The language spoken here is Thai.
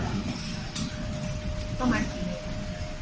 ไม่ต่อไป